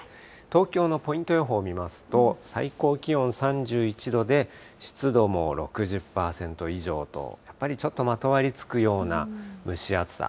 東京のポイント予報見ますと、最高気温３１度で、湿度も６０％以上と、やっぱりちょっとまとわりつくような蒸し暑さ。